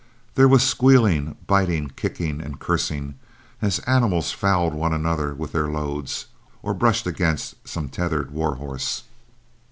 There was squealing, biting, kicking, and cursing as animals fouled one another with their loads, or brushed against some tethered war horse.